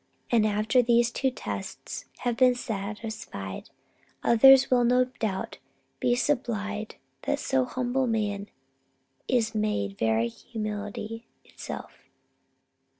And after these two tests have been satisfied, others will no doubt be supplied till that so humble man is made very humility itself.